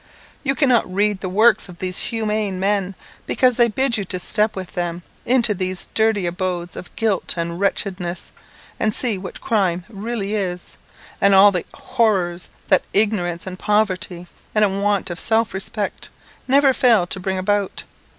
You cannot read the works of these humane men, because they bid you to step with them into these dirty abodes of guilt and wretchedness, and see what crime really is, and all the horrors that ignorance and poverty, and a want of self respect, never fail to bring about.